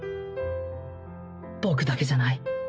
僕だけじゃない。